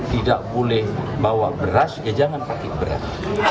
tidak boleh bawa beras ya jangan pakai beras